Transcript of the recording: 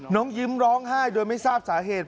ยิ้มร้องไห้โดยไม่ทราบสาเหตุ